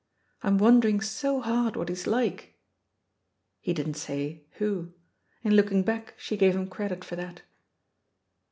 I'm won dering so hard what he's like." He didn't say "Who?" In looking back, she gave him credit for that.